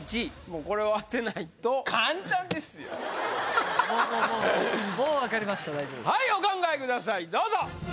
もうこれを当てないともうもうもうはいお考えくださいどうぞ！